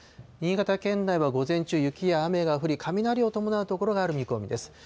新潟県内は午前中、雪や雨が降り、雷を伴う所がある見込みです。